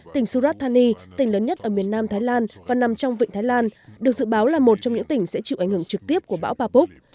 tỉnh surat thani tỉnh lớn nhất ở miền nam thái lan và nằm trong vịnh thái lan được dự báo là một trong những tỉnh sẽ chịu ảnh hưởng trực tiếp của bão bapok